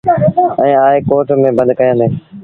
ائيٚݩ آئي ڪوٽ ميݩ بند ڪيآݩدي۔